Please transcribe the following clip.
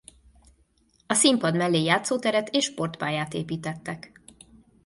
A színpad mellé játszóteret és sportpályát építettek.